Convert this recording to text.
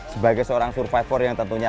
sebagai seorang survivor yang tentunya